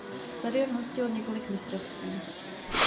Stadion hostil několik mistrovství.